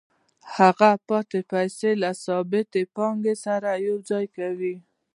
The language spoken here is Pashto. هغه پاتې پیسې له ثابتې پانګې سره یوځای کوي